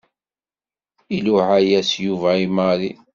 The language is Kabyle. Iluɛa-yas Yuba i Mary.